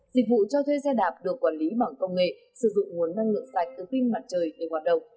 dịch vụ cho thuê xe đạp được quản lý bằng công nghệ sử dụng nguồn năng lượng sạch từ pin mặt trời để hoạt động